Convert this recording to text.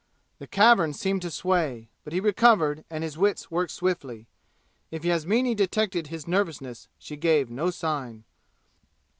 The cavern seemed to sway, but he recovered and his wits worked swiftly. If Yasmini detected his nervousness she gave no sign.